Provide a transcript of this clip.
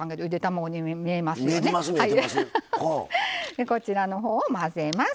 でこちらの方を混ぜます。